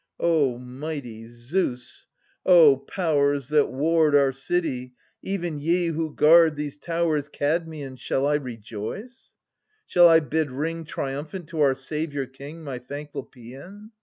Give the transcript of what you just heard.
O mighty Zeus, O Powers that ward Our city, even ye who guard These towers Kadmeian, Shall I rejoice ?— shall I bid ring Triumphant to our Saviour king My thankful paean